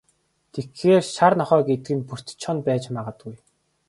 Тэгэхээр, шар нохой гэдэг нь Бөртэ Чоно байж магадгүй.